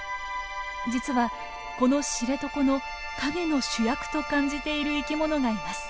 実はこの知床の陰の主役と感じている生きものがいます。